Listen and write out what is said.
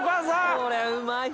これうまい！